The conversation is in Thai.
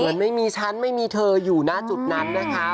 ไม่มีฉันไม่มีเธออยู่หน้าจุดนั้นนะคะ